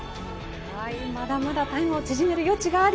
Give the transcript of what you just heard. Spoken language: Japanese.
まだまだタイムを縮める余地あり。